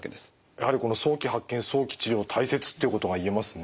やはり早期発見早期治療大切っていうことが言えますね。